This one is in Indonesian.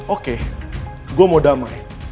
oke gue mau damai